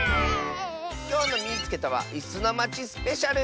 きょうの「みいつけた！」は「いすのまちスペシャル」！